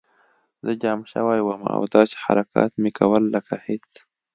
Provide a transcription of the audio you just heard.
زه جام شوی وم او داسې حرکات مې کول لکه هېڅ